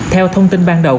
theo thông tin ban đầu